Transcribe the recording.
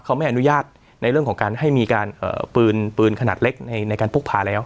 เขาไม่อนุญาตในเรื่องของการให้มีการปืนขนาดเล็กในการพกพาแล้ว